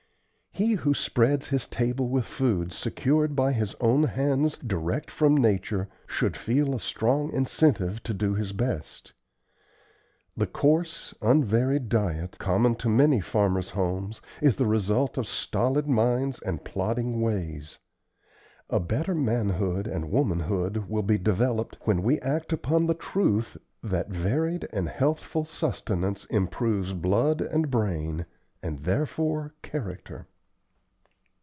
He who spreads his table with food secured by his own hands direct from nature should feel a strong incentive to do his best. The coarse, unvaried diet, common to many farmers' homes, is the result of stolid minds and plodding ways. A better manhood and womanhood will be developed when we act upon the truth that varied and healthful sustenance improves blood and brain, and therefore character.